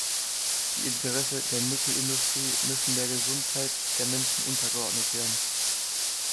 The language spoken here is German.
Die Interessen der Nickelindustrie müssen der Gesundheit der Menschen untergeordnet werden.